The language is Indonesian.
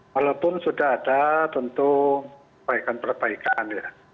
walaupun sudah ada tentu perbaikan perbaikan ya